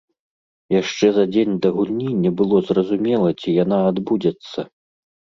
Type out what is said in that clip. Яшчэ за дзень да гульні не было зразумела, ці яна адбудзецца.